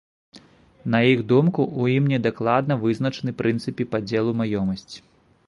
На іх думку, у ім недакладна вызначаны прынцыпы падзелу маёмасці.